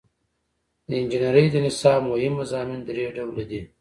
د انجنیری د نصاب مهم مضامین درې ډوله دي.